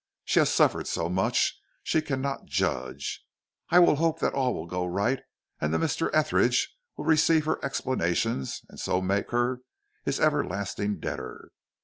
She has suffered so much she cannot judge. I will hope that all will go right, and that Mr. Etheridge will receive her explanations and so make her his everlasting debtor.